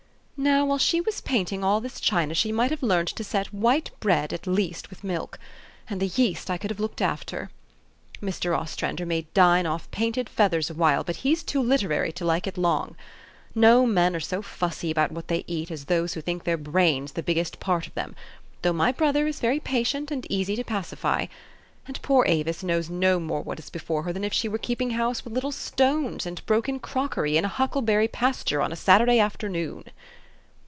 "Now, while she was painting all this china, she might have learned to set white bread, at least with milk ; and the yeast I could have looked after. Mr. Ostrander may dine off painted feathers a while ; but he's too literary to like it long. No men are so fussy about what they eat as those who think their brains the biggest part of them, though my brother is very patient, and easy to pacify. And poor Avis knows no more what is before her than if she were keeping house with little stones and broken crockery in a huckleberry pas ture on a Saturday afternoon."